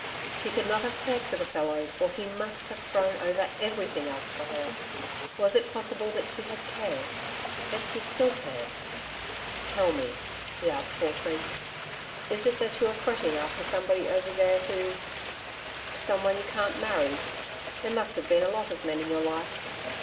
She could not have cared for the fellow, or he MUST have thrown over everything else for her. Was it possible that she had cared that she still cared? 'Tell me,' he asked hoarsely. 'Is it that you are fretting after somebody over there who someone you can't marry? There must have been a lot of men in your life.